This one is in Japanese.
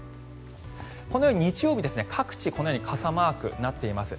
このように日曜日各地、傘マークになっています。